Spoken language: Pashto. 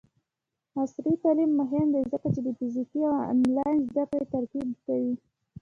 عصري تعلیم مهم دی ځکه چې د فزیکي او آنلاین زدکړې ترکیب کوي.